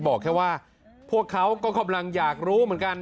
บอกแค่ว่าพวกเขาก็กำลังอยากรู้เหมือนกัน